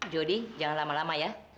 jody jangan lama lama ya